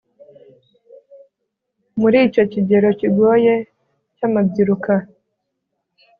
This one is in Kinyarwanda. muri icyo kigero kigoye cy amabyiruka